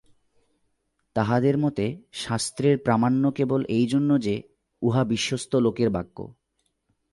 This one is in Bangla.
তাঁহাদের মতে শাস্ত্রের প্রামাণ্য কেবল এইজন্য যে, উহা বিশ্বস্ত লোকের বাক্য।